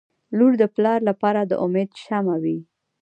• لور د پلار لپاره د امید شمعه وي.